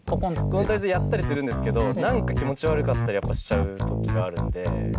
クオンタイズやったりするんですけど何か気持ち悪かったりやっぱしちゃう時があるんで。